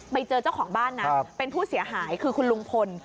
ไปเจอเจ้าของบ้านนะเป็นผู้เสียหายคือคุณลุงพล